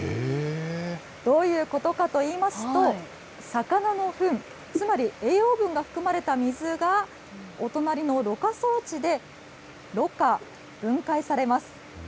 どういうことかといいますと、魚のふん、つまり栄養分が含まれた水が、お隣のろ過装置でろ過、分解されます。